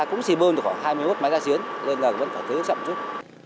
cũng chỉ bơm được khoảng hai mươi mốt máy gia chiến nên là vẫn phải cưới nước chậm chút